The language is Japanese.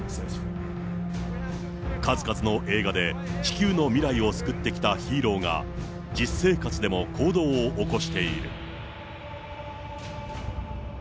数々の映画で地球の未来を救ってきたヒーローが、実生活でも行動を起こしている。